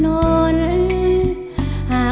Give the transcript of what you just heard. กลับมาเมื่อเวลาที่สุดท้าย